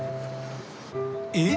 えっ！？